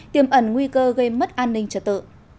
tiêm ẩn nguy cơ gây mất an ninh trả tợ